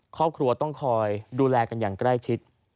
ครอบครัวต้องคอยดูแลกันอย่างใกล้ชิด